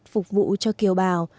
phục vụ cho kiều bào